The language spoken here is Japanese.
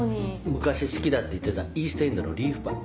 昔好きだって言ってたイーストエンドのリーフパイ。